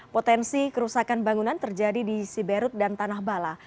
potensi kerusakan bangunan terjadi di siberut dan tanah bala